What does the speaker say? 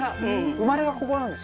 生まれがここなんですか？